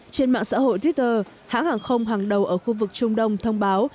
trên mạng xã hội twitter hãng hàng không hàng đầu ở khu vực trung đông thông báo